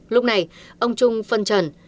lúc này ông trung phân trần